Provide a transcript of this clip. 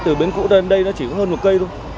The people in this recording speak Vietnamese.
từ bến cũ đến đây nó chỉ có hơn một cây thôi